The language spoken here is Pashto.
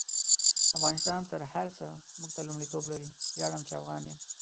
افغانستان تر هر سه مونږ ته لمړیتوب لري: ویاړم چی افغان يم